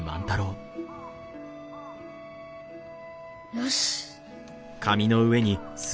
よし。